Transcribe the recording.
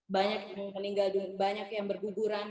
banyak yang meninggal dan banyak yang berguguran